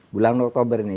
bulan oktober ini